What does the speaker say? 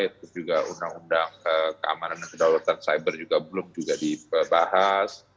untuk juga undang undang keamanan dan kedalaman cyber juga belum dibahas